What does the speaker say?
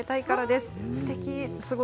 すてき。